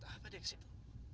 apa dia kesitu